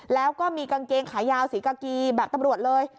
แล้วก็มีกางเกงขายาวสีกากีแบบตำรวจเลย